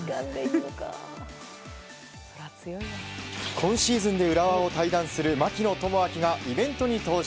今シーズンで浦和を退団する槙野智章がイベントに登場。